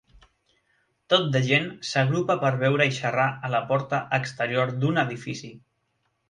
Tot de gent s'agrupa per beure i xerrar a la porta exterior d'un edifici